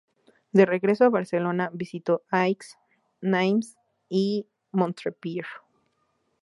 De regreso a Barcelona, visitó Aix, Nimes y Montpellier.